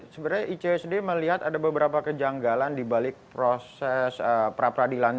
sebenarnya icsd melihat ada beberapa kejanggalan dibalik proses pra peradilan